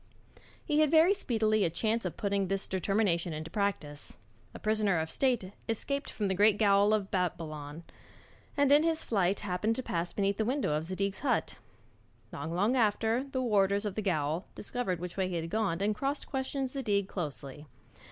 He had very speedily a chance of putting this determination into practice. A prisoner of state escaped from the great gaol of Babylon, and in his flight happened to pass beneath the window of Zadig's hut. Not long after, the warders, of the gaol discovered which way he had gone, and cross questioned Zadig closely.